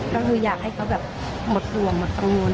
ก็คือยากให้เขาแบบหมดส่วน